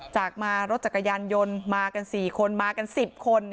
จากมารถจักรยานยนต์มากัน๔คนมากัน๑๐คน